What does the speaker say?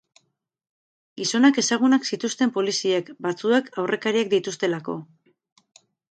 Gizonak ezagunak zituzten poliziek, batzuek aurrekariak dituztelako.